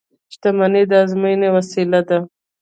• شتمني د ازموینې وسیله ده.